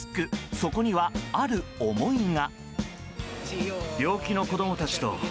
そこには、ある思いが。